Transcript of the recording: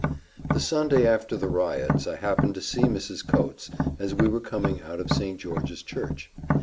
The Sunday after the riots, I happened to see Mrs. Coates, as we were coming out of St. George's church.